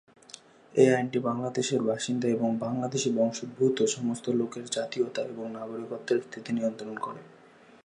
এই আইনটি বাংলাদেশের বাসিন্দা এবং বাংলাদেশী বংশোদ্ভূত সমস্ত লোকের জাতীয়তা এবং নাগরিকত্বের স্থিতি নিয়ন্ত্রণ করে।